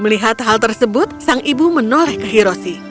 melihat hal tersebut sang ibu menoleh ke hiroshi